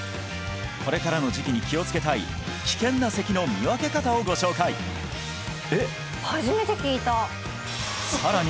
これからの時期に気をつけたい「危険な咳の見分け方」をご紹介さらに